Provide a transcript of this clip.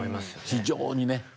非常にね。